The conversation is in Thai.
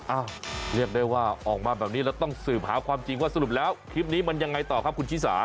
เรียกได้ว่าออกมาแบบนี้แล้วต้องสืบหาความจริงว่าสรุปแล้วคลิปนี้มันยังไงต่อครับคุณชิสา